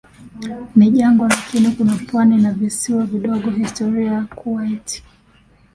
ni jangwa lakini kuna pwani na visiwa vidogo Historia ya Kuwait